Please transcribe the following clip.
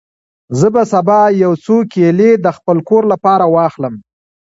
زه به سبا یو څو کیلې د خپل کور لپاره واخلم.